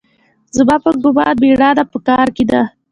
زما په ګومان مېړانه په کار کښې ده.